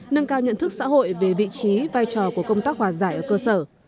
nâng cao nhận thức xã hội về vị trí vai trò của công tác hòa giải ở cơ sở